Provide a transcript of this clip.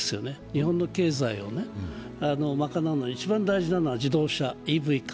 日本の経済を賄うのに一番大事なのは自動車のＥＶ化。